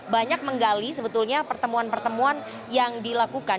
banyak menggali sebetulnya pertemuan pertemuan yang dilakukan